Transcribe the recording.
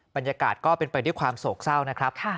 บรรยากาศก็เป็นไปด้วยความโศกเศร้านะครับ